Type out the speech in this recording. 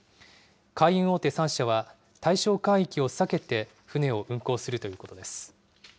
海運大手３社は対象海域を避けて船を運航するということです。